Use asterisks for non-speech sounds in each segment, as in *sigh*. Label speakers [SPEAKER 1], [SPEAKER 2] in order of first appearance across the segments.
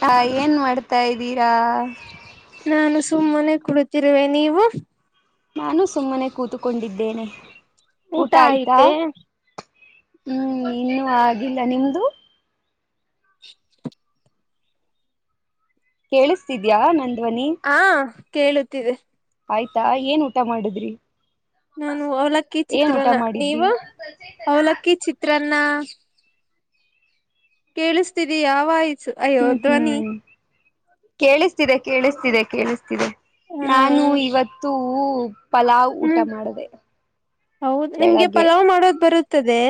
[SPEAKER 1] hi ಏನ್ ಮಾಡ್ತಾಯಿದೀರಾ
[SPEAKER 2] ತಿರುವೆ ನೀವು
[SPEAKER 1] ನಾನು ಸುಮ್ಮನೆ ಕೂತುಕೊಂಡಿದ್ದೇನೆ
[SPEAKER 2] ಊಟ ಆಐತೆ
[SPEAKER 1] ಹ್ಮ್ ಇನ್ನುೂ ಆಗಿಲ್ಲ ನಿಮ್ದು ಕೇಳಿಸ್ತಿದ್ಯಾ ನನ್ ಧ್ವನಿ
[SPEAKER 2] ಹಾ ಕೇಳುತ್ತಿದೆ
[SPEAKER 1] ಆಯ್ತಾ ಏನ್ ಊಟ ಮಾಡಿದ್ರಿ
[SPEAKER 2] ನಾನು ಅವಲಕ್ಕಿ
[SPEAKER 1] ಏನ್ ಊಟ
[SPEAKER 2] ಚಿತ್ರನ
[SPEAKER 1] ಮಾಡಿದ್ರಿ
[SPEAKER 2] ನೀವು ಅವಲಕ್ಕಿ
[SPEAKER 1] *unintelligible*
[SPEAKER 2] ಚಿತ್ರನ್ನ ಕೆಳುಸ್ತಿದಿಯಾ ವೈಸ್ ಅಯ್ಯೋ
[SPEAKER 1] ಹ್ಮ್
[SPEAKER 2] ಧ್ವನಿ
[SPEAKER 1] ಹ್ಮ್ ಕೇಳಿಸ್ತಿದೆ ಕೇಳಿಸ್ತಿದೆ ಕೇಳಿಸ್ತಿದೆ
[SPEAKER 2] ಹಾ
[SPEAKER 1] ನಾನು ಇವತ್ತು ಪಲಾವ್ ಊಟ
[SPEAKER 2] ಹ್ಮ್
[SPEAKER 1] ಮಾಡಿದೆ
[SPEAKER 2] ಹೌದು ನಿಮ್ಗೆ
[SPEAKER 1] ಬೆಳಗ್ಗೆ
[SPEAKER 2] ಪಲಾವ್ ಮಾಡೋದು ಬರುತ್ತದೆ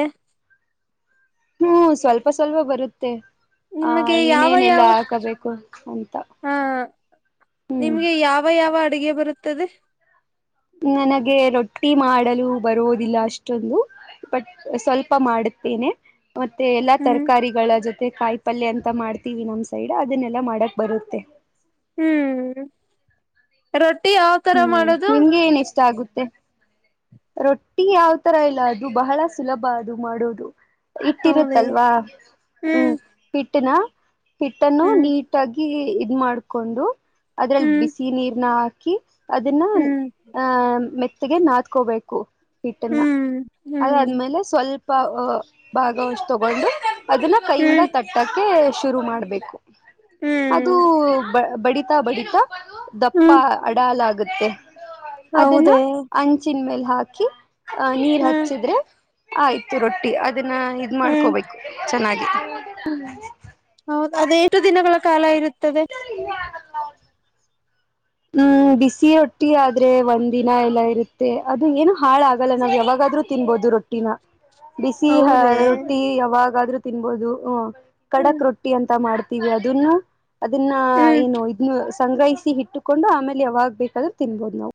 [SPEAKER 1] ಹ್ಮ್ ಸ್ವಲ್ಪ ಸ್ವಲ್ಪ ಬರುತ್ತೆ ಹ
[SPEAKER 2] ನಿಮಗೆ ಯಾವ ಯಾವ
[SPEAKER 1] ಏನೇನೆಲ್ಲಾ ಹಾಕಬೇಕು ಅಂತ
[SPEAKER 2] ಹಾ
[SPEAKER 1] ಹ್ಮ್
[SPEAKER 2] ನಿಮ್ಗೆ ಯಾವ ಯಾವ ಅಡುಗೆ ಬರುತ್ತದೆ
[SPEAKER 1] ನನಗೆ ರೊಟ್ಟಿ ಮಾಡಲು ಬರದಿಲ್ಲ ಅಷ್ಟೊಂದು ಬಟ್ ಸ್ವಲ್ಪ ಮಾಡ ಮತ್ತೆ ಎಲ್ಲಾ
[SPEAKER 2] ಹ್ಮ್
[SPEAKER 1] ತರಕಾರಿಗಳ ಜೊತೆ ಮತ್ತೆ ಕಾಯಿ ಪಲ್ಯ ಅಂತ ಮಾಡ್ತೀವಿ ನಮ್ ಸೈಡ್ ಅದನ್ನೆಲ್ಲಾ ಮಾಡಕ್ ಬರುತ್ತೆ
[SPEAKER 2] ಹ್ಮ್ ರೊಟ್ಟ
[SPEAKER 1] ಹ್ಮ್ ನಿಮ್ಗೆ ಏನ್ ಇಷ್ಟ ಆಗುತ್ತ ಮ ರೊಟ್ಟಿ ಯಾವ ತರ ಇಲ್ಲ ಅದು ಬಹಳ ಸುಲಭ ಅದು ಮಾಡೋುದು
[SPEAKER 2] ಹೌದೇ
[SPEAKER 1] ಇಟ್ಟಿರುತ್ತಲ್ವಾ ಹ್ಮ್ ಬಿಟ್ಟನಾ ಹಿಟ್ಟನ್ನು
[SPEAKER 2] ಹ್ಮ್
[SPEAKER 1] ನೀಟಾಗಿ ಇದ ಮಾಡ್ಕೊಂಡು ಅದ್ರಲ್ಲಿ
[SPEAKER 2] ಹ್ಮ್
[SPEAKER 1] ಬಿಸಿ ನೀರ್ನ ಹಾಕಿ ಅದನ್ನ
[SPEAKER 2] ಹ್ಮ್
[SPEAKER 1] ಅ್ ಮೆತ್ತಗೆ ನಾತ್ಕೋಬೇಕು ಹಿಟ್ಟನ್ನ
[SPEAKER 2] ಹ್ಮ್ ಹ್ಮ್
[SPEAKER 1] ಅದಾದ್ಮೇಲೆ ಸ್ವಲ್ಪ ಭಾಗವಷ್ಟ ತಗೊಂಡು ಅದನ್ನ ಕೈಯಿಂದ
[SPEAKER 2] ಹ್ಮ್
[SPEAKER 1] ತಟ್ಟಕ್ಕೆ ಶುರು ಮಾಡ್ಬೇಕು ಅದು
[SPEAKER 2] ಹ್ಮ್
[SPEAKER 1] ಬಡ ಬಡಿ ಬಡಿತ ದಪ್ಪ
[SPEAKER 2] ಹ್ಮ್
[SPEAKER 1] ಅಡಾಲ ಆಗುತ್ತೆ ಅದನ್ನ
[SPEAKER 2] ಹೌದೇ
[SPEAKER 1] ಅಂಚಿನ ಮೇಲೆ ಹಾಕಿ ಅಹ ನೀರ್
[SPEAKER 2] ಹ್ಮ್
[SPEAKER 1] ಹಚ್ಚಿದ್ರೆ ಆ ಆಯ್ತು ರೊಟ್ಟಿ ಅದನ್ನ ಇದ್
[SPEAKER 2] ಹ್ಮ್
[SPEAKER 1] ಮಾಡ್ಕೋಬೇಕು ಚೆನ್ನಾಗಿ
[SPEAKER 2] ಹೌದು ಅದು ಎಟು ದಿನಗಳ ಕಾಲ ಇರುತ್ತದೆ *inaudible*
[SPEAKER 1] ಹ್ಮ್ ಬಿಸಿ ಒಟ್ಟಿ ಆದ್ರೆ ಒಂದ್ ದಿನ ಎಲ್ಲಾ ಇರುತ್ತೆ ಅದು ಏನು ಹಾಳಾಗಲ್ಲ ನಾವ್ ಯಾವಾಗಾದ್ೂ ತಿನ್ಬಹದು ರೊಟ್ಟಿನ ಬಿಸಿ
[SPEAKER 2] ಹೌದೇ
[SPEAKER 1] ರೊಟ್ಟಿ ಯಾವಾಗಾದ್ರೂ ತಿನ್ಬೋದು ಹ
[SPEAKER 2] ಹ್ಮ್
[SPEAKER 1] ಕಡಕ್ ರೊಟ್ಟಿ ಅಂತ ಮಾಡ್ತ ಅದನ್ನು ಅದನ್ನ
[SPEAKER 2] ಹ್ಮ್
[SPEAKER 1] ಏನು ಇದನ್ನು ಸಂಗ್ರಹಿಸಿ ಇಟ್ಟು ಕೊಂಡು ಆಮೇಲೆ ಯಾವಾಗ ಬೇಕಂದ್ರೆ ತಿನ್ಬೋದು ನಾವು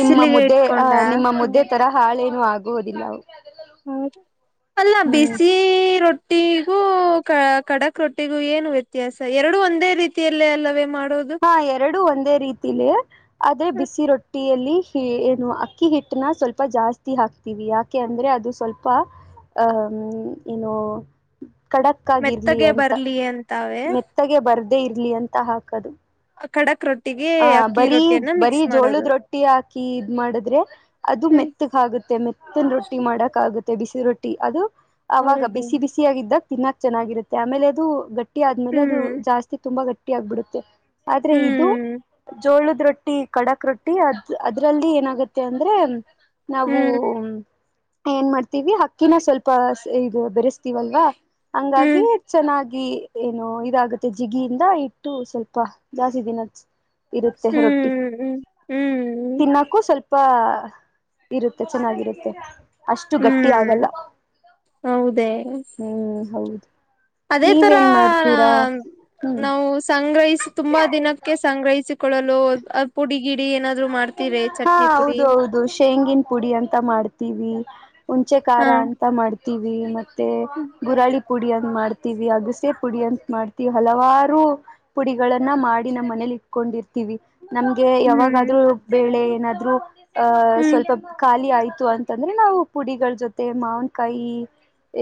[SPEAKER 1] ನಿಮ್ಮ ಮುದ್ದೆ ಅ
[SPEAKER 2] ಇಟ್ಕೊಂಡ
[SPEAKER 1] ನಿಮ್ಮ ಮುದ್ದೆ ತರ ಹಾಳೇನು ಆಗುವುದಿಲ್ಲ
[SPEAKER 2] ಹ್ಮ ಅಲ್ಲ
[SPEAKER 1] ಹ್ಮ್
[SPEAKER 2] ಬಿಸಿ ರೊಟ್ಟಿಗೂ ಕಡಕ್ ರೊಟ್ಟಿಗೂ ಏನು ವ್ಯತ್ಯಾಸ ಎರಡು ಒಂದೇ ರೀತಿಯಲ್ಲಿ ಅಲ್ಲವೇ ಮಾಡ
[SPEAKER 1] ಹಾ ಎರಡುೂ ಒಂದೇ ರೀತಿಲಿ ಆದ್ರೆ ಬಿಸಿ ರೊಟ್ಟಿ ಹಟ್ಟಿಯಲ್ಲಿ ಏನು ಅಕ್ಕಿ ಹಿಟ್ಟನ ಸ್ವಲ್ಪ ಜಾಸ್ತಿ ಹಾಕ್ತಿೀವಿ ಯಾಕೆ ಅಂದ್ರೆ ಅದು ಸ್ವಲ್ಪ ಹ್ಮ ಇಏನ್ನುೋ ಖಡಕ್ಗರ್ಲಿ
[SPEAKER 2] ಮೆತ್ತಗೆ
[SPEAKER 1] ಅಂತ
[SPEAKER 2] ಬರ್ಲಿ ಅಂತಾವೆ
[SPEAKER 1] ಮೆತ್ತಗೆ ಬರ್ದೆೇ ಇರ್ಲಿ ಅಂತ ಹಾಕದು
[SPEAKER 2] ಕಡಕ್ ರ
[SPEAKER 1] ಹ ಬರೀ ಬರೀ ಜೋಳದ ರೊಟ್ಟಿ ಹಾಕಿ ಇದ್ ಮಾಡಿದ್ರೆ ಅದು
[SPEAKER 2] ಹ್ಮ್
[SPEAKER 1] ಮೆತ್ತಗ ಆಗುತ್ತೆ ಮ ಮೆತ್ತನ್ ರೊಟ್ಟಿ ಮಾಡಕ್ ಆಗುತ್ತೆ ಬಿಸಿ ರೊಟ್ಟಿ ಅದು ಅವಾಗ
[SPEAKER 2] ಹೌದು
[SPEAKER 1] ಬಿಸಿ ಬಿಸಿ ಆಗಿದ್ದಾಗ ತಿನ್ನಾಕ್ ಚೆನ್ನಾಗಿರುತ್ತೆ ಆಮೇಲೆ ಅದು ಗಟ್ಟಿ ಗಟ್ಟಿ ಆದ್ಮೇಲೆ ಅದು
[SPEAKER 2] ಹ್ಮ್
[SPEAKER 1] ಜಾಸ್ತಿ ತುಂಬಾ ಗಟ್ಟಿ ಆಗ್ಬಿಡುತ್ತೆ ಆದ್ರೆ ಇದು
[SPEAKER 2] ಹ್ಮ್
[SPEAKER 1] ಜೋಳದ್ ರೊಟ್ಟಿ ಕಡಕ್ ರೊಟ್ಟಿ ಅದ್ ಅದ್ರಲ್ಲಿ ಏನಾಗತ್ತೆ ಅಂದ್ರೆ ನಾವು
[SPEAKER 2] ಹ್ಮ್
[SPEAKER 1] ಏನ್ ಮಾಡ್ತೀವಿ ಹಕ್ಕಿನ ಸ್ವಲ್ಪ ಇದು ಬೆರೆಸ್ತೀವಲ್ವಾ ಹಂಗಾಗಿ
[SPEAKER 2] ಹ್ಮ್
[SPEAKER 1] ಚೆನ್ನಾಗಿ ಜಗ ಏನು ಇದಾಗುತ್ತೆ ಜಿಗಿಯಿಂದ ಇಟ್ಟು ಸ್ವಲ್ಪ ಜಾಸ್ತಿ ದಿನ ಇರುತ್ತೆ ರೊಟ್ಟಿ
[SPEAKER 2] ಹ್ಮ್ ಹ್ಮ್ ಹ್ಮ್
[SPEAKER 1] ತಿನ್ನಕ್ಕೂ ಸ್ವಲ್ಪ ತಪ್ಪಾ ಇರುತ್ತೆ ಚೆನ್ನಾಗಿರುತ್ತೆ ಅಷ್ಟು ಗಟ್ಟಿ
[SPEAKER 2] ಹ್ಮ್
[SPEAKER 1] ಆಗಲ್ಲ
[SPEAKER 2] ಹೌದೇ
[SPEAKER 1] ಹ್ಮ್ ಹೌದು
[SPEAKER 2] ಅದೇ ತರ
[SPEAKER 1] ನೀವೇನ್ ಮಾಡ್ತೀರಾ ಹ್ಮ್
[SPEAKER 2] ನಾವು ಸಂ ಸಂಗ್ರಹಿಸಿ ತುಂಬಾ ದಿನಕ್ಕೆ ಸಂಗ್ರಹಿಸಿಕೊಳ್ಳಲು ಪುಡಿ ಗಿಡಿ ಏನಾದ್ರು ಮಾಡ್ತೀರಿ
[SPEAKER 1] ಹಾ
[SPEAKER 2] ಚಟ್ನಿ ಪುಡಿ
[SPEAKER 1] ಹೌದು ಹೌದು ಶೇಂಗಿನ ಪುಡಿ ಅಂತ ಮಾಡ್ತೀವಿ ಹಂಚೆ
[SPEAKER 2] ಹ
[SPEAKER 1] ಖಾರ ಅಂತ ಮಾಡ್ತೀವಿ ಮತ್ತೆ
[SPEAKER 2] ಹ್ಮ್
[SPEAKER 1] ಗುರಾಳಿ ಪುಡಿ ಅಂತ ಮಾಡ್ತೀವಿ ಅಗಸೆ ಪುಡಿ ಅಂತ ಮಾಡ್ತೀವಿ ಹಲವಾರು ಪುಡಿಗಳನ್ನ ಮಾಡಿ ನಮ್ಮ ಮನೆ ಇಟ್ಕೊಂಡಿರ್ತವಿ ನಮಗೆ ಯಾವಾಗ ಬೇಳೆ ಏನಾದ್ರೂ ಅಹ
[SPEAKER 2] ಹ್ಮ್
[SPEAKER 1] ಸ್ವಲ್ಪ ಖಾಲಿ ಆಯತು ತ್ತು ಅಂತಂದ್ರೆ ನಾವು ಪುಡಿಗಳ ಜೊತೆ ಮಾವನ್ಕಾಯಿ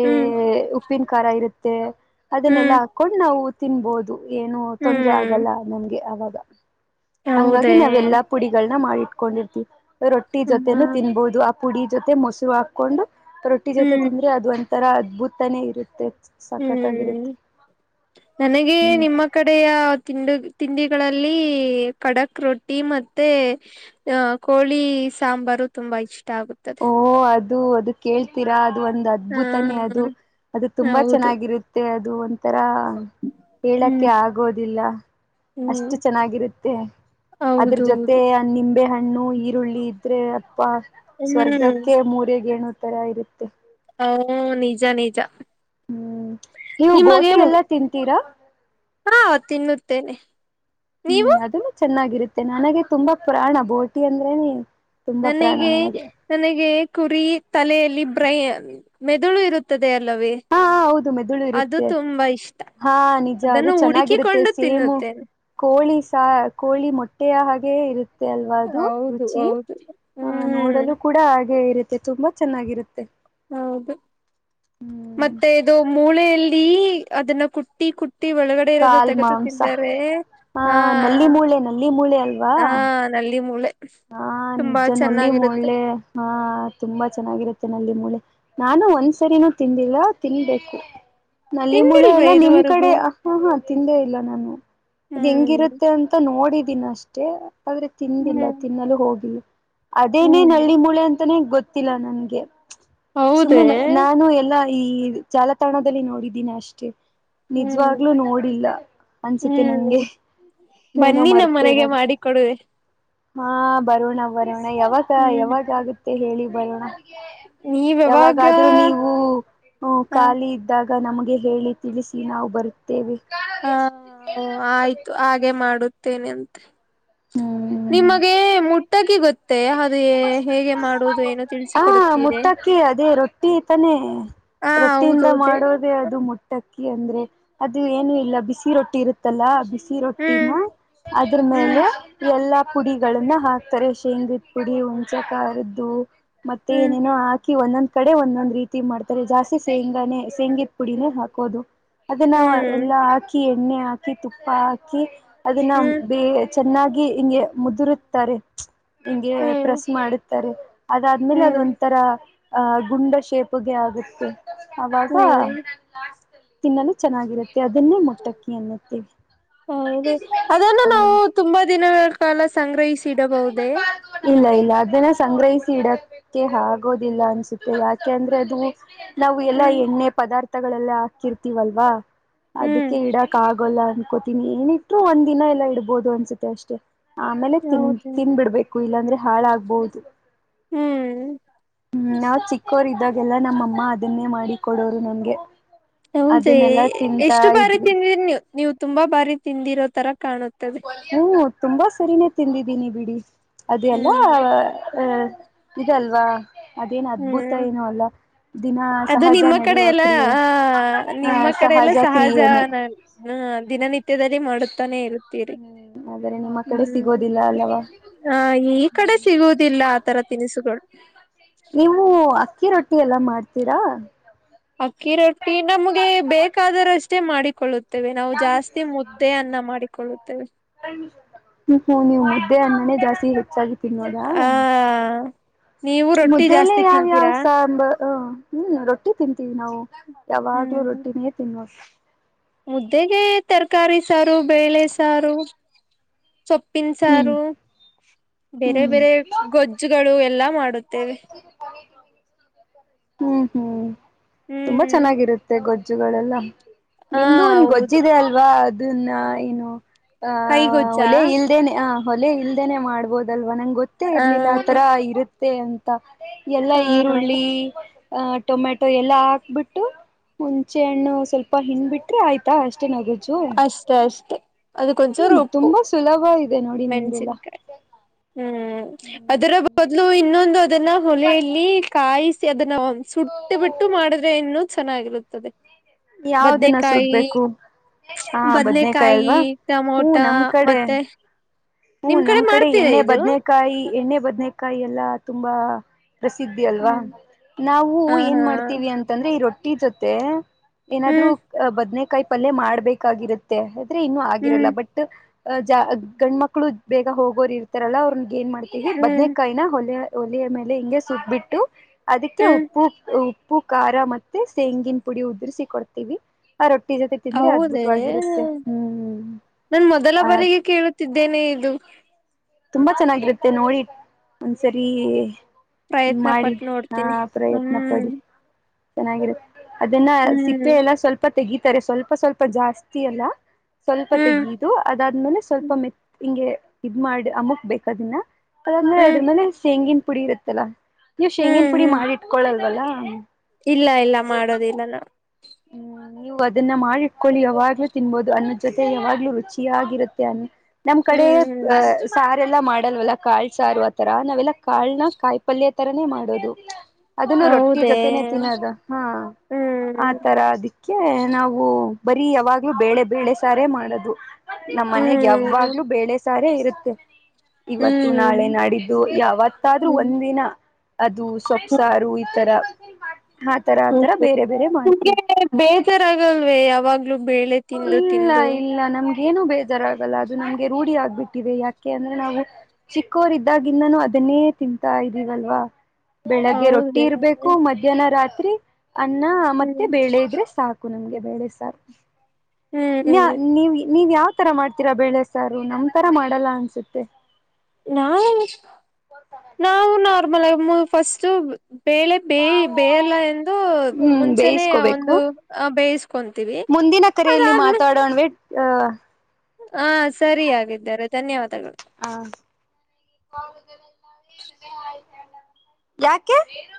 [SPEAKER 1] ಆ
[SPEAKER 2] ಹ್ಮ್
[SPEAKER 1] ಉಪ್ಪಿನ ಖಾರ ಇರುತ್ತೆ ಮ ಅದನ್ನೆಲ್ಲಾ
[SPEAKER 2] ಹ್ಮ್
[SPEAKER 1] ಹಾಕೊಂಡ್ ನಾವು ತಿನ್ಬೋದು ಏನು ತೊಂದ್ರ
[SPEAKER 2] ಹ್ಮ್
[SPEAKER 1] ಆಗಲ್ಲ ನಮ್ಗೆ ಅವಾಗ ಹಂಗಾಗಿ
[SPEAKER 2] ಹೌದೇ
[SPEAKER 1] ನಾವೆಲ್ಲಾ ಪುಡಿಗಳನ್ನ ಮಾಡಿಟ್ಕೊಂಡಿರ್ತೀವಿ ರೊಟ್ಟಿ
[SPEAKER 2] ಹ್ಮ
[SPEAKER 1] ಜೊತೆೇನು ತಿನ್ಬೋುದು ಪುಡಿ ಜೊತೆ ಮೊಸರು ಹಾಕೊಂಡು ರೊಟ್ಟಿ ಜೊತೆ
[SPEAKER 2] ಹ್ಮ್
[SPEAKER 1] ತಿಂದ್ರೆ ಅದು ಒಂಥರ ಅದ್ಭುತನೇ ಇರುತ್ತೆ
[SPEAKER 2] ಹ್ಮ್
[SPEAKER 1] ಸಖತ್ತಾಗಿರುತ್ತೆ
[SPEAKER 2] ನನಗೆ
[SPEAKER 1] ಹ್ಮ್
[SPEAKER 2] ನಿಮ್ಮ ಕಡೆಯ ತಿಂಡಿ ತಿಂಡಿ ಗಳಲ್ಲಿ ಕಡಕ್ ರೊಟ್ಟಿ ಮೆ ಕೋಳಿ ಸಾಂಬಾರು ತುಂಬ ವಹಚ್ ಆಗುತ್ತದೆ
[SPEAKER 1] ಓ ಅದು ಅದು ಕೇಳ್ತೀರಾ ಅದು ಒಂದು
[SPEAKER 2] ಹ
[SPEAKER 1] ಅದ್ಭುತನೇ ಅದು ಅದು ತುಂಬಾ
[SPEAKER 2] ಹೌದು
[SPEAKER 1] ಚೆನ್ನಾಗಿರುತ್ತೆ ಅದು ಒಂಥರಾ ಹೇಳಕ್ಕೆ
[SPEAKER 2] ಹ್ಮ್
[SPEAKER 1] ಆಗೋದಿಲ್ಲ
[SPEAKER 2] ಹ್ಮ್
[SPEAKER 1] ಅಷ್ಟು ಚೆನ್ನಾಗಿರುತ್ತೆ ಅದ್ರ
[SPEAKER 2] ಹೌದೌದು
[SPEAKER 1] ಜೊತೆ ನಿಂಬೆ ಹಣ್ಣ ಹಣ್ಣು ಈರುಳ್ಳಿ ಇದ್ರೆ ಅಪ್ಪ
[SPEAKER 2] ಹ್ಮ್
[SPEAKER 1] ಸ್ವರ್ಗಕ್ಕೆ ಮೂರ ಗೇಣು ತರ ಇರುತ್ತೆ
[SPEAKER 2] ಹ ನಿಜ ನಿಜ
[SPEAKER 1] ಹ್ಮ್ ನೀವು ಬೋಟಿ
[SPEAKER 2] ನಿಮಗೇನು
[SPEAKER 1] ಎಲ್ಲಾ ತಿಂತೀರಾ
[SPEAKER 2] ಹಾ ತಿನ್ನುತ್ತೇನೆ ನೀವು
[SPEAKER 1] ಹ್ಮ್ ಅದನ್ನು ಚೆನ್ನಾಗಿರುತ್ತೆ ನನಗೆ ತುಂಬಾ ಪುರಾಣ ಬೋಟಿ ಅಂದ್ರೆನ
[SPEAKER 2] ನನಗೆ ನನಗೆ ಕುರಿ ತಲೆಯಲ್ಲಿ ಬ್ರೈ ಮೆದುಳು ಇರುತ್ತದೆ ಅೇ ಅಲ್ಲವೇ
[SPEAKER 1] ಹ ಹೌದು ಮೆದುಳು
[SPEAKER 2] ಅದು
[SPEAKER 1] ಇರುತ್ತೆ
[SPEAKER 2] ತುಂಬಾ ಇಷ್ಟ
[SPEAKER 1] ಹಾ ನಿಜ ಅದು
[SPEAKER 2] ಅದನ್ನು
[SPEAKER 1] ಚೆನ್ನಾಗಿರುತ್ತೆ
[SPEAKER 2] ಹುಡುಕಿಕೊಂಡು
[SPEAKER 1] ಸೇಮು
[SPEAKER 2] ತಿನ್ನುತ್ತೇನೆ
[SPEAKER 1] ಕೋಳಿ ಸ ಕೋಳಿ ಮೊಟ್ಟೆಯ ಹಾಗೆ ಇರುತ್ತ ಅಲ್ವಾದು
[SPEAKER 2] ಹೌದು
[SPEAKER 1] ರುಚಿ
[SPEAKER 2] ಹೌದು
[SPEAKER 1] ಆಹ
[SPEAKER 2] ಹ್ಮ್
[SPEAKER 1] ನೋಡಲು ಕೂಡ ಹಾಗೆ ಇರು ತುಂಬಾ ಚೆನ್ನಾಗಿರುತ್ತೆ
[SPEAKER 2] ಹೌದು
[SPEAKER 1] ಹ್ಮ್
[SPEAKER 2] ಮತ್ತೆ ಇದು ಮೂಳೆಯಲ್ಲಿ ಅದನ್ನ ಕುಟ್ಟಿ ಕುಟ್ಟಿ ಹಟ್ಟಿ ಒಳಗಡೆ ಇರೋದು
[SPEAKER 1] ಕಾಲ್
[SPEAKER 2] ತೆಗೆದು
[SPEAKER 1] ಮಾಂಸ
[SPEAKER 2] ತಿದ್ದಾರೆ
[SPEAKER 1] ಹಾ ನಲ್ಲಿ ಮೂಳೆ ನಲ್ಲಿ ಮೂಳೆ ಅಲ್ವಾ
[SPEAKER 2] ಹಾ ನಲ್ಲಿ ಮೂಳೆ
[SPEAKER 1] ಹಾ
[SPEAKER 2] ತುಂಬಾ
[SPEAKER 1] ನಿಜ ನಲ್ಲಿಿ
[SPEAKER 2] ಚೆನ್ನಾಗಿರುತ್ತೆ
[SPEAKER 1] ಮೆ ಹಾ ತುಂಬಾ ಚೆನ್ನಾಗಿರುತ್ತೆ ಮೂಳೆ ನಾನು ಒಂದ್ಸರಿನೂ ತಿಂದಿಲ್ಲ ತಿನ್ಬೇಕು ನಲ್ಲಿ ಮೂಳೆ
[SPEAKER 2] ತಿಂದಿಲ್ವೇ
[SPEAKER 1] ಎಲ್ಲಾ ನಿಮ್ ಕಡೆ
[SPEAKER 2] ಇದುವರೆಗೂ
[SPEAKER 1] ಹ ಹ ತಿಂದೇ ಇಲ್ಲ ನಾನು ಅದು
[SPEAKER 2] ಹ್ಮ್
[SPEAKER 1] ಹೆಂಗಿರುತ್ತೆ ಅಂತ ನೋಡಿದೀನಿ ಅಷ್ಟೇ ಆದ್ರೆ ತಿಂದಿಲ್ಲ
[SPEAKER 2] ಹ್ಮ್
[SPEAKER 1] ತಿನ್ನಲು ಹೋಗಿಲ್ಲ ಅದೇನೇ
[SPEAKER 2] ಹ್ಮ್
[SPEAKER 1] ಹಳ್ಳಿ ಮೂಳೆ ಅಂತಾನೇ ಗೊತ್ತಿಲ್ಲ ನನ್ಗೆ
[SPEAKER 2] ಹೌದೇ
[SPEAKER 1] ಸುಮ್ಮನೆ ನಾನು ಎಲ್ಲಾ ಈ ಜಾಲತಾಣದಲ್ಲಿ ನೋಡಿದ್ದೀನಿ ಅಷ್ಟೇ
[SPEAKER 2] ಹ್ಮ್
[SPEAKER 1] ನಿಜವಾಗ್ಲುೂ ನೋಡಿಲ್ಲ ಅನ್ಸುತ್ತೆ
[SPEAKER 2] ಹ್ಮ್
[SPEAKER 1] ನಂಗೆ ಏನೋ
[SPEAKER 2] ಬನ್ನಿ ನಮ್ಮ ಮನೆಗೆ
[SPEAKER 1] ಮರ್ತೇನಂತ
[SPEAKER 2] ಮಾಡಿ ಕೊಡುದ
[SPEAKER 1] ಹಾ ಬರೋಣ ಬರೋಣ ಯಾವಾಗ
[SPEAKER 2] ಹ್ಮ್
[SPEAKER 1] ಯಾವಾಗ ಆಗತ್ತೆ ಹೇಳಿ ಬರೋಣ
[SPEAKER 2] ನೀವ್ ಯಾವಾಗ
[SPEAKER 1] ಯಾವಾಗಾದ್ರೂ ನೀವು
[SPEAKER 2] ಹ
[SPEAKER 1] ಖಾಲಿ ಇದ್ದಾಗ ಈಗ ನಮಗೆ ಹೇಳಿ ತಿಳಿಸಿ ನಾವು ಬರುತ್ತೇವೆ
[SPEAKER 2] ಹಾ ಆಯ್ತು ಹಾಗೆ ಮಾಡುತ್ತೇನೆ ಅಂತೆ ನಿಮಗೆ ಮುಟ್ಟಕ ಗೊತ್ತೆ ಅದ
[SPEAKER 1] ಹ ಮುಟ್ಟಕ್ಕೆ ಅದೇ ರೊಟ್ಟಿ ತಾನೆ
[SPEAKER 2] ಹ
[SPEAKER 1] ರೊಟ್ಟಿಯಿಂದ
[SPEAKER 2] ಹೌದೌದೇ
[SPEAKER 1] ಮಾಡೋದೇ ಅದು ಮೊಟ್ಟಕ್ಕೆ ಅಂದ್ರೆ ಅದು ಏನು ಇಲ್ಲ ಬಿಸಿ ರೊಟ್ಟಿ ಇರುತ್ತಲ್ಲ ಬಿಸಿ ರೊಟ್ಟಿನ
[SPEAKER 2] ಹ್ಮ್
[SPEAKER 1] ಅದ್ರ
[SPEAKER 2] ಹ್ಮ್
[SPEAKER 1] ಮೇಲೆ ಎಲ್ಲ ಪುಡಿಗಳನ್ನ ಹಾಕ್ತಾರೆ ಶೇಂಗ್ರಿದ್ದ ಪುಡಿ ಹುಣಚ ಕಾರದ್ದು ಮತ್ತೆ
[SPEAKER 2] ಹ್ಮ್
[SPEAKER 1] ಏನೇನೋ ಹಾಕಿ ಿ ಒಂದೊಂದ್ ಕಡೆ ಒಂದೊಂದ್ ರೀತಿ ಮಾಡ್ತಾರೆ ಜಾಸ್ತಿ ಶೇಂಗಾನೆ ಶೇಂಗಿದ ಪುಡಿನೇ ಹಾಕೋದು ಅದನ್ನ
[SPEAKER 2] ಹ್ಮ್
[SPEAKER 1] ಎಲ್ಲಾ ಹಾಕಿ ಎಣ್ಣೆ ಹಾಕಿ ತುಪ್ಪ ಹಾಕಿ ಅದನ್ನ
[SPEAKER 2] ಹ್ಮ್
[SPEAKER 1] ಬೇ ಚೆನ್ನಾಗಿ ಹಿಂಗೆ ಮುದುರುತ್ತಾರೆ ಹಿಗೆ
[SPEAKER 2] ಹ್ಮ್
[SPEAKER 1] ಪ್ರೆಸ್ ಮಾಡುತ್ತಾರೆ ಅದಾದ್ಮೇಲೆ ಅದ
[SPEAKER 2] ಹ್ಮ್
[SPEAKER 1] ಒಂಥರ ಅಹ ಗುಂಡ ಶೇಪಗೆ ಆಗುತ್ತೆ ಅವಾಗ
[SPEAKER 2] ಹ್ಮ್
[SPEAKER 1] ತಿನ್ನಲು ಚೆನ್ನಾಗಿರುತ್ತೆ ಅದನ್ನೇ ಮುಟ್ಟಕಿ ಅನ್ನುತ್ತೀವಿ
[SPEAKER 2] ಹೌದೇ ಅದನ್ನು
[SPEAKER 1] ಹ್ಮ
[SPEAKER 2] ನಾವು ತುಂಬಾ ದಿನಗಳ ಕಾಲ ಸಂಗ್ರಹಿಸಿಡಬಹುದೇ
[SPEAKER 1] ಇಲ್ಲ ಇಲ್ಲ ಅದನ್ನ ಸಂಗ್ರಹಿಸಿ ಇಡಕ್ಕೆ ಆಗೋದಿಲ್ಲ ಅನ್ಸುತ್ತೆ ಯಾಕೆ ಅಂದ್ರೆ ಅದು ನಾವು ಎಲ್ಲಾ
[SPEAKER 2] ಹ್ಮ್
[SPEAKER 1] ಎಣ್ಣೆ ಪದಾರ್ಥಗಳೆಲ್ಲ ಹಾಕಿರ್ತೀವಲ್ವಾ
[SPEAKER 2] ಹ್ಮ್
[SPEAKER 1] ಅದಕ್ಕೆ ಇಡಾಕ್ ಆಗೋಲ್ಲ ಅನ್ಕೋತೀನಿ ಏನಿಟ್ರು ಒಂದ್ ದಿನ ಎಲ್ಲಾ ಇಡ್ಬೋದು ಅನ್ಸುತ್ತೆ ಅಷ್ಟೇ ಆಮೇಲೆ ತಿನ್
[SPEAKER 2] ಹೌದು
[SPEAKER 1] ತಿನ್ಬಿಡ್ಬೇಕು ಇಲ್ಲಾಂದ್ರೆ ಹಾಳಾಗಬಹುದು
[SPEAKER 2] ಹ್ಮ್
[SPEAKER 1] ಹ್ಮ್ ನಾವ್ ಚಿಕ್ಕೋರ್ ಇದಾಗೆಲ್ಲಾ ನಮ್ಮಅಮ್ಮ ಅದನ್ನೇ ಮಾಡಿ ಕೊಡೋರು ನಮ್ಗೆ
[SPEAKER 2] ಹೌದೇ
[SPEAKER 1] ಅದನ್ನೆಲ್ಲಾ ತಿಂತಾ
[SPEAKER 2] ಎಷ್ಟು ಬಾರಿ
[SPEAKER 1] ಇದ್ವಿ
[SPEAKER 2] ತಿಂದಿ ನೀವು ನೀವು ತುಂಬಾ ಬಾರಿ ತಿಂದಿರೋ ತರ ಕಾಣುತ್ತದೆ
[SPEAKER 1] ಹ್ಮ್ ತುಂಬಾ ಸರಿನೇ ತಿಂದಿದ್ದೀನಿ ಬಿಡಿ ಅದೆಲ್ಲ ಇದಲ್ವಾ ಅದೇನು ಅದ್ಭುತ
[SPEAKER 2] ಹ್ಮ್
[SPEAKER 1] ಏನು ಅಲ್ಲ ದಿನ
[SPEAKER 2] ಅದು
[SPEAKER 1] ಸಹಜ
[SPEAKER 2] ನಿಮ್ಮ ಕಡೆ
[SPEAKER 1] ನಡೆಯುವ
[SPEAKER 2] ಎಲ್ಲ
[SPEAKER 1] ಕ್ರಿಯೆ
[SPEAKER 2] ಆ
[SPEAKER 1] ಹ
[SPEAKER 2] ನಿಮ್ಮ ಕಡೆ ಎಲ್ಲ ಸಹಜ
[SPEAKER 1] ಕ್ರಿಯೆನೇ
[SPEAKER 2] ನ ಹಾ ದಿನನಿತ್ಯದಲ್ಲಿ ಮಾಡುತ್ತಾನೇ ಇರುತ್ತೀರಿ
[SPEAKER 1] ಹ್ಮ್ ಆದ್ರೆ ನಿಮ್ಮ ಕಡೆ
[SPEAKER 2] ಹ್ಮ್
[SPEAKER 1] ಸಿಗೋದಿಲ್ಲ ಅಲ್ಲವಾ
[SPEAKER 2] ಆ ಈ ಕಡೆ ಸಿಗುವುದಿಲ್ಲ ಆತರ ತಿನಿಸುಗಳು
[SPEAKER 1] ನೀವು ಅಕ್ಕಿ ರೊಟ್ಟಿ ಎಲ್ಲ ಮಾಡ್ತೀರಾ
[SPEAKER 2] ಅಕ್ಕಿ ರೊಟ್ಟಿ ನಮ್ಗೆ ಬೇಕಾದರಷ್ಟೇ ಮಾಡಿಕೊಳ್ಳುತ್ತೆ ನಾವು
[SPEAKER 1] ಹ್ಮ್
[SPEAKER 2] ಜಾಸ್ತಿ ಮುದ್ದೆಯನ್ನ ಮಾಡಿಕೊಳ್ಳುತ್ತೇವೆ
[SPEAKER 1] ಹ್ಮ ನೀವ್ ಮುದ್ದೆ ಅ ಮನೆ ಜಾಸ್ತಿ ಹೆಚ್ಚಾಗಿ ತಿೀನ್ನದಾ
[SPEAKER 2] ಆ ನೀವು ರೊಟ್ಟಿ
[SPEAKER 1] ಮುದ್ದಲ್ಲ
[SPEAKER 2] ಜಾಸ್ತಿ
[SPEAKER 1] ಯಾವ್ಯಾವ್
[SPEAKER 2] ತಿಂತೀರಾ
[SPEAKER 1] ಸಾಂಬ ಹ್ಮ್ ರೊಟ್ಟಿ ತಿಂತೀವಿ ನಾವು ಯಾವಾಗ್ಲೂ
[SPEAKER 2] ಹ್ಮ್
[SPEAKER 1] ಒೊಟ್ಟಿನಿಯೇ ತಿನ್ವಸ
[SPEAKER 2] ಮುದ್ದೆಗೆ ತರಕಾರಿ ಸಾರು ಬೇಳೆ ಸಾರು ಸೊಪ್ಪಿನ
[SPEAKER 1] ಹ್ಮ್
[SPEAKER 2] ಸಾರು ಬೇರೆ
[SPEAKER 1] ಹ್ಮ್
[SPEAKER 2] ಬೇರೆ ಗೊಜ್ಜುಗಳು ಎಲ್ಲಾ ಮಾಡ ಬತ್ತೇವೆ
[SPEAKER 1] ಹ್ಮ್ ಹ್ಮ್ ತುಂಬಾ
[SPEAKER 2] ಹ್ಮ್
[SPEAKER 1] ಚೆನ್ನಾಗಿರುತ್ತೆ ಗೊಜ್ಜುಗಳೆಲ್ಲ
[SPEAKER 2] ಹಾ
[SPEAKER 1] ನಿಮ್ದು ಒಂದ್
[SPEAKER 2] ಹೌದು
[SPEAKER 1] ಗೊಜ್ಜಿದೆ ಅಲ್ವಾ ಅದನ್ನ ಏನು ಆ
[SPEAKER 2] ಕೈಗೊಜ್ಜಾ
[SPEAKER 1] ಒಲೆ ಇಲ್ದೇನೆ ಆ ಹೊಲೆ ಇಲ್ದೇನೆ ಮಾಡ್ಬೋದಲ್ ಅಲ್ವಾ ನಂಗೆ ಗೊತ್ತೇ
[SPEAKER 2] ಹ
[SPEAKER 1] ಇರ್ಲಿಲ್ಲ ಆ ತರ ಇರುತ್ತೆ ಅಂತ ಎಲ್ಲಾ
[SPEAKER 2] ಹಾ
[SPEAKER 1] ಈರುಳ್ಳಿ ಅ ಟೊಮೆಟೊ ಎಲ್ಲ ಹಾಕ್ಬಿಟ್ಟು ಮುಂಚೆ ಹಣ್ಣು ಸ್ವಲ್ಪ ಹಿಣ್ಬಿಟ್ರೆ ಆಯ್ತಾ ಅಷ್ಟ ನಗಜು
[SPEAKER 2] ಅಷ್ಟೆ ಅಷ್ಟೆ ಅದಕ್ಕೊಂಚೂರು
[SPEAKER 1] ಹ್ಮ್
[SPEAKER 2] ಉಪ್ಪು
[SPEAKER 1] ತುಂಬಾ ಸುಲಭ ಇ ದೆ ನೋಡಿ ನಿಮ್ದಲ್ಲ
[SPEAKER 2] ಮೆಣಸಿನ್ಕಾಯಿ ಹ್ಮ್ ಅದರ ಬದ್ಲು ಇನ್ನೊಂದು ಅದನ್ನ ಹೊಲೆಯಲ್ಲಿ ಕಾಯ ಅದನ್ನ ಒ ಸುಟ್ಟು ಬಿಟ್ಟು ಮಾಡಿದ್ರೆ ಇನ್ನುೂ ಚೆನ್ನಾಗಿರುತ್ತದೆ
[SPEAKER 1] ಯಾವ ದಿನ
[SPEAKER 2] ಬದ್ನೆಕಾಯಿ
[SPEAKER 1] ಸುಡ್ಬೇಕು ಹಾ ಬದ್ನೇಕಾಯಿ
[SPEAKER 2] ಬದ್ನೆಕಾಯಿ
[SPEAKER 1] ಅಲ್ವಾ ಹ್ಮ
[SPEAKER 2] ಟಮೊಟ
[SPEAKER 1] ನಮ್ ಕಡೆ
[SPEAKER 2] ಮತ್ತೆ
[SPEAKER 1] ಹ್ಮ
[SPEAKER 2] ನಿಮ್
[SPEAKER 1] ನಮ್ ಕಡೆ
[SPEAKER 2] ಮಾಡ್ತೀರಾ
[SPEAKER 1] ಎಣ್ಣೆ
[SPEAKER 2] ಇದು
[SPEAKER 1] ಬದ್ನೆಕಾಯಿ ಎಣ್ಣೆ ಬದ್ನೆಕಾಯಿ ಎಲ್ಲ ತುಂಬಾ ಪ್ರಸಿದ್ಧಿ ಅಲ್ವಾ
[SPEAKER 2] ಹ್ಮ್
[SPEAKER 1] ನಾವು
[SPEAKER 2] ಹಾ
[SPEAKER 1] ಏನ್
[SPEAKER 2] ಹಾ
[SPEAKER 1] ಮಾಡ್ತೀವಿ ಅಂತಂದ್ರೆ ಈ ರೊಟ್ಟಿ ಜೊತೆ ಏನಾದ್ರು
[SPEAKER 2] ಹ್ಮ್
[SPEAKER 1] ಬದ್ನೆಕಾಯಿ ಪಲ್ಯ ಮಾಡ್ಬೇಕಾಗಿರುತ್ತೆ ಆದ್ರೆ ಇನ್ನುೂ
[SPEAKER 2] ಹ್ಮ್
[SPEAKER 1] ಆಗಿರಲ್ಲ ಬಟ್ ಅ ಜಾ ಗಂಡ ಮಕ್ಳು ಬೇಗ ಹೋಗೋರ್ ಇರ್ತಾರಲ್ಲ ಅವ್ರ ಏನ್ ಮಾಡ್ತೀವಿ
[SPEAKER 2] ಹ್ಮ್
[SPEAKER 1] ಬದ್ನೇಕಾಯಿನ ಹೊಲೆ ಒಲಿಯ ಮೇಲೆ ಹಿಂಗೆ ಸೂಪ್ಪಬಿಟ್ಟು ಅದಕ್ಕೆ
[SPEAKER 2] ಹ್ಮ್
[SPEAKER 1] ಉಪ್ಪು ಉ ಉಪ್ಪು ಖಾರ ಮತ್ತೆ ಸೇಂಗಿನ ಪುಡಿ ಉದು್ರಸಿ ಕೊಡ್ತೀವಿ ಆ ರೊಟ್ಟಿ ಜೊತೆ ತಿಂದ್ರೆ
[SPEAKER 2] ಹೌದೇ
[SPEAKER 1] ಅದ್ಭುತವಾಗಿರುತ್ತೆ ಹ್ಮ್
[SPEAKER 2] ನನ್ ಮೊದಲ ಬಾರಿಗೆ ಕೇಳುತ್ತಿದ್ದೇನೆ ಇದು
[SPEAKER 1] ತುಂಬಾ ಚೆನ್ನಾಗಿರುತ್ತೆ ನೋಡಿ ಒಂದ್ಸರಿ
[SPEAKER 2] ಪ್ರಯತ್ನ
[SPEAKER 1] ಮಾಡಿ
[SPEAKER 2] ಪಟ್ಟು
[SPEAKER 1] ಹಾ
[SPEAKER 2] ನೋಡ್ತೀನಿ
[SPEAKER 1] ಪ್ರಯತ್ನ ಪಡಿ
[SPEAKER 2] ಹ್ಮ್
[SPEAKER 1] ಚೆನ್ನಾಗಿರು ಅದನ್ನ ಸಿಪ್ಪೆ
[SPEAKER 2] ಹ್ಮ್
[SPEAKER 1] ಎಲ್ಲ ಸ್ವಲ್ಪ ತೆಗಿತಾರೆ ಸ್ವಲ್ಪ ಸ್ವಲ್ಪ ಜಾಸ್ತಿ ಅಲ್ಲ ಸ್ವಲ್ಪ
[SPEAKER 2] ಹ್ಮ್
[SPEAKER 1] ತೆಗು ಅದಾದ್ಮೇಲೆ ಸ್ವಲ್ಪ ಮೆತ್ ಹಿಂಗೆ ಇದ್ ಮಾಡಿ ಅಮಕ್ಬೇಕ ಅದನ್ನ ಅದ್ಮ್ರೆ ಅದ್ರ
[SPEAKER 2] ಹ್ಮ್
[SPEAKER 1] ಮೇಲೆ ಶೇಂಗನ್ ಪುಡಿ ಇರತ್ತಲ್ಲಾ ನೀವು
[SPEAKER 2] ಹ್ಮ್
[SPEAKER 1] ಶೇಂಗನ್ ಪುಡಿ
[SPEAKER 2] ಹ್ಮ್
[SPEAKER 1] ಮಾಡಿ ಇಟ್ಕೊಳಲ್ವಲ್ಲ
[SPEAKER 2] ಇಲ್ಲ ಇಲ್ಲ ಮಾಡೋದಿಲ್ಲ ನಾ
[SPEAKER 1] ಹ್ಮ್ ನೀವು ಅದನ್ನ ಮಾಡಿಟ್ಕೊಳ್ಳಿ ಯಾವಾಗ್ಲೂ ತಿನ್ಬೋದು ಅನ್ನ ಜೊತೆ ಯಾವಾಗ್ಲೂ ರುಚಿಯಾಗಿರುತ್ತೆ ಅನ್ನ ನಮ್ ಕಡೆ
[SPEAKER 2] ಹ್ಮ್ ಹ್ಮ್
[SPEAKER 1] ಅ ಲ್ಲಾ ಮಾಡಲ್ವಲ್ಲ ಕಾಳ್ ಸಾರು ತರ ನಾವೆಲ್ಲಾ ಕಾಳ್ನ್ನ ಕಾಯಿ ಪಲ್ಯ ತರಾನೇ ಮಾಡೋದು ಅದನ್ನು ರೊಟ್ಟಿ
[SPEAKER 2] ಹೌದೇ
[SPEAKER 1] ಜೊತೆನೆೇ ತಿನ್ನೋದು ಹಾ
[SPEAKER 2] ಹ್ಮ್
[SPEAKER 1] ಅದಿಕ್ಕೆ ನಾವು ಬರೀ ಯಾವಾಗ್ಲೂ ಬೇಳೆ ಬೇಳೆ ಸಾರ ಮಾಡದು ನಮ್ಮ್ ಮನೆಗ್
[SPEAKER 2] ಹ್ಮ್
[SPEAKER 1] ಯಾವಾಗ್ಲೂ ಬೇಳೆ ಸಾರ ಇರುತ್ತೆ ಇವತ್ತು ನಾಳೆ
[SPEAKER 2] ಹ್ಮ್
[SPEAKER 1] ನಾಡಿದ್ದು ಯಾವತ್ತಾದ್ರೂ
[SPEAKER 2] ಹ್ಮ್
[SPEAKER 1] ಒಂದಿನ ಅದು ಸೊಪ್ಸಾರು ಈ ತರ ಆತರ ಆತರ ಬೇರೆ ಬೇರೆ ಮಾಡ್ತಾರೆ
[SPEAKER 2] ಬೇಜಾರಗಲ್ವೇ ಯಾವಾಗ್ಲೂ ಬೆ
[SPEAKER 1] ಇಲ್ಲ ಇಲ್ಲ ನ ನಮಗೆ ಏನುೂ ಬೇಜಾರಾಗಲ್ಲ ಅದು ನಮಗೆ ರೂಢಿ ಆಗ್ಬಿಟ್ಟಿದೆ ಯಾಕೆ ಅಂದ್ರೆ ನಾವು ಚಿಕ್ಕೋರ ಇದ್ದಾಗಿಂದ ಅದನ್ನೇ ತಿಂತಾ ಇದ್ದೀವಲ್ವಾ ಬೆಳಗ್ಗೆ ರೊಟ್ಟಿ
[SPEAKER 2] ಹೌದೇ
[SPEAKER 1] ಇರ್ಬೇಕು ಮಧ್ಯಾಹ್ನ ರಾತ್ರಿ ಅನ್ನ ಮತ್ತೆ
[SPEAKER 2] ಹ್ಮ್
[SPEAKER 1] ಬೇಳೆ ಇದ್ರೆ ಸಾಕು ನಮ್ಗೆ ಬೇಳೆ ಸಾರು ನ
[SPEAKER 2] ಹ್ಮ್
[SPEAKER 1] ನೀವ್ ನೀವ ಯಾವ ನ್ ತರ ಮಾಡ್ತೀರಾ ಬೇಳೆ ಸಾರು ನಮ್ ತರ ಮಾಡಲ್ಲ ಅನ್ಸುತ್ತೆ
[SPEAKER 2] ನಾವು ನಾವು ನಾರ್ಮಲ್ ಫಸ್ಟ್ ಬೇಳೆ ಬೇಯ ಬೇಯಲ್ಲ ಎಂದು
[SPEAKER 1] ಹ್ಮ್
[SPEAKER 2] ಮುಂಚೆನೆೇ
[SPEAKER 1] ಬೇಯಿಸಕೋಬೇಕು
[SPEAKER 2] ಒಂದು ಬೇಯಿಸಕೊಂತೀವಿ
[SPEAKER 1] ಹಿಂದಿನ ಕರೆಯಲ್ಲಿ ಮಾತಾಡೋಣ್ ಅ
[SPEAKER 2] ಹಾ ಸರಿ ಆಾಗಿದ್ದಾರೆ ಧನ್ಯವಾದ
[SPEAKER 1] ಹಾ ಯಾಕೆ